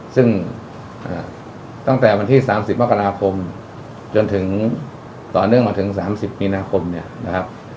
ซึ่งตั้งแต่วันที่๓๐มกราคมจนถึงต่อเนื่องมาถึง๓๐มีนาคมเนี่ยนะครับ